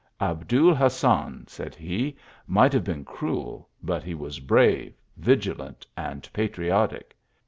" Abul Hassan," said he, " might have been cruel, but he was brave, vigilant, and patriotic.